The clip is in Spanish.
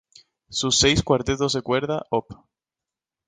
Sus seis "Cuartetos de cuerda, Op.